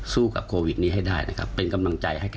สู้กับโควิดนี้ให้ได้เป็นกำลังใจให้กัน